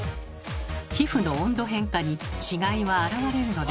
皮膚の温度変化に違いは現れるのでしょうか。